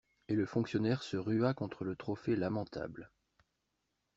Et le fonctionnaire se rua contre le trophée lamentable.